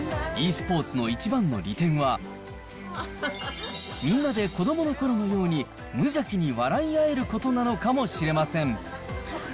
ｅスポーツの一番の利点は、みんなで子どものころのように無邪気に笑い合えることなのかもしれません。